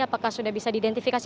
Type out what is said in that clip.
apakah sudah bisa diidentifikasi